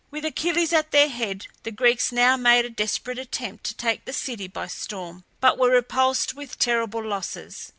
With Achilles at their head the Greeks now made a desperate attempt to take the city by storm, but were repulsed with terrible losses.